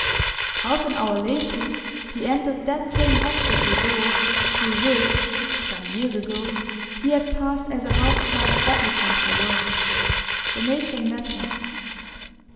Half an hour later he entered that same hospital door through which, some years ago, he had passed as a half starved applicant for work. The matron met him.